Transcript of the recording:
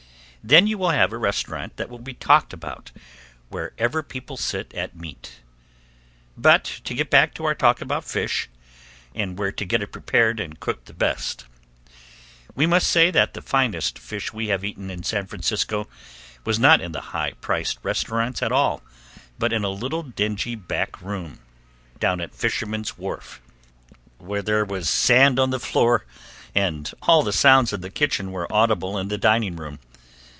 Then you will have a restaurant that will be talked about wherever people sit at meat. But to get back to our talk about fish, and where to get it prepared and cooked the best. We must say that the finest fish we have eaten in San Francisco was not in the high priced restaurants at all, but in a little, dingy back room, down at Fishermen's Wharf, where there was sand on the floor and all the sounds of the kitchen were audible in the dining room.